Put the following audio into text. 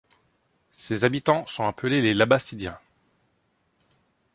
Ses habitants sont appelés les Labastidiens.